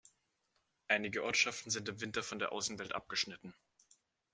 Einige Ortschaften sind im Winter von der Außenwelt abgeschnitten.